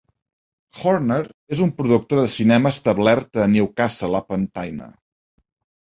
Horner és un productor de cinema establit a Newcastle upon Tyne.